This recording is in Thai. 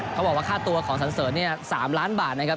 เขาบอกว่าค่าตัวของสันเสริญเนี่ย๓ล้านบาทนะครับ